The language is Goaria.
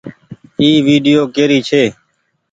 اي ويڊيو ڪيري ڇي۔